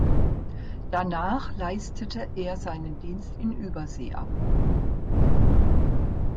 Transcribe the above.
Danach leistete er seinen Dienst in Übersee ab.